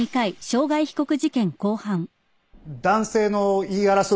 男性の言い争う